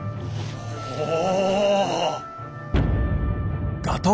おお！